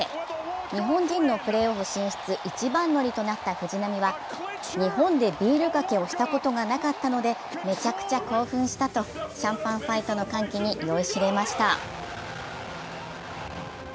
日本人のプレーオフ進出一番乗りとなった藤浪は、「日本でビールかけをしたことがなかったのでめちゃくちゃ興奮した」とシャンパンファイトの歓喜に酔いしれました。